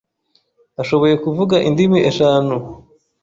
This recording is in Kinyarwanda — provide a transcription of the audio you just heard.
Ashoboye kuvuga indimi eshanu.